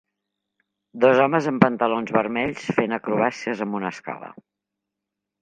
Dos homes amb pantalons vermells fent acrobàcies amb una escala.